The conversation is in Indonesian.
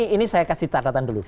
ini saya kasih catatan dulu